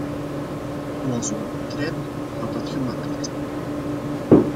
Zoals u wel begrijpt, zou dat gemakkelijk zijn.